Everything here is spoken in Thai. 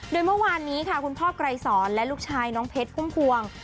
โดยเมื่อวานนี้ค่ะคุณพ่อไกรสอนและลูกชายน้องเพชรพุ่มพวง